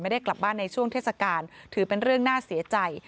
ได้กลับบ้านในช่วงเทศกาลถือเป็นเรื่องน่าเสียใจ